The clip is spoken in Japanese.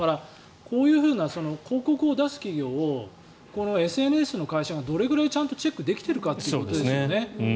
だから、こういう広告を出す企業をＳＮＳの会社がどれくらいちゃんとチェックできているかということですよね。